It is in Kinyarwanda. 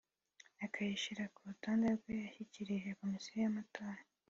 akayishyira ku rutonde rwe yashyikirije Komisiyo y’Amatora